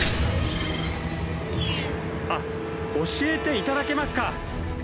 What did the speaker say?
あっ教えていただけますか！